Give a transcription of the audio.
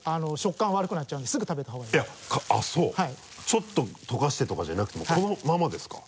ちょっと溶かしてとかじゃなくてもうこのままですか？